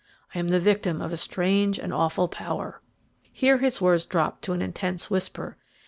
"I am the victim of a strange and awful power." Here his words dropped to an intense whisper.